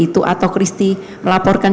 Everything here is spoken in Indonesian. itu atau kristi melaporkan